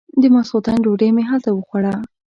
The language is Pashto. د ماسختن ډوډۍ مې هلته وخوړه.